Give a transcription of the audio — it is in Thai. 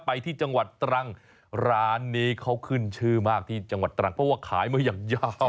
ไปที่จังหวัดตรัง